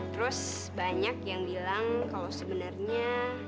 terus banyak yang bilang kalau sebenarnya